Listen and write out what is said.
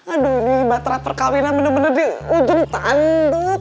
aduh ini batra perkahwinan bener bener di ujung tanduk